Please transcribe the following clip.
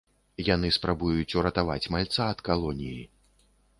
Яны спрабуюць уратаваць мальца ад калоніі.